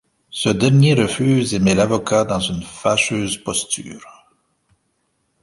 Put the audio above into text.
Ce dernier refuse et met l'avocat dans une fâcheuse posture.